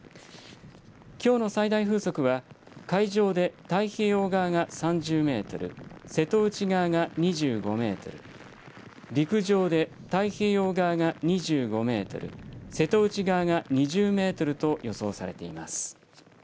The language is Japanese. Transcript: きょうの最大風速は海上で太平洋側が３０メートル、瀬戸内側が２５メートル、陸上で太平洋側が２５メートル、瀬戸内側が２０メートルと予想されています。